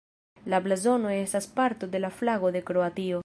La blazono estas parto de la flago de Kroatio.